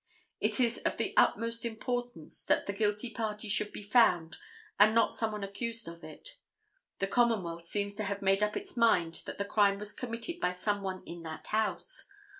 It is of the utmost importance that the guilty party should be found and not someone accused of it. The Commonwealth seems to have made up its mind that the crime was committed by some one in that house.